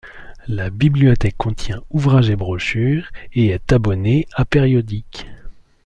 La bibliothèque contient ouvrages et brochures, et est abonnée à périodiques.